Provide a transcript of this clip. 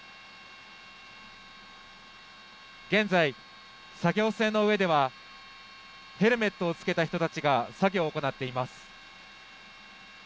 現在、作業船の上ではヘルメットを着けた人たちが作業を行っています。